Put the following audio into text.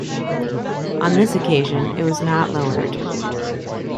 On this occasion it was not lowered.